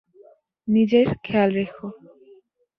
নিজের খেয়াল রেখো!